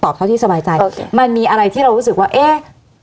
เท่าที่สบายใจมันมีอะไรที่เรารู้สึกว่าเอ๊ะ